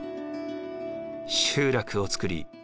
集落を作り